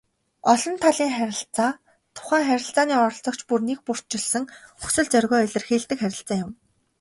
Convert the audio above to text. Олон талын харилцаа тухайн харилцааны оролцогч бүр нэгбүрчилсэн хүсэл зоригоо илэрхийлдэг харилцаа юм.